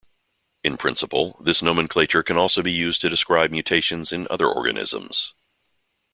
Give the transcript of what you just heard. In principle, this nomenclature can also be used to describe mutations in other organisms.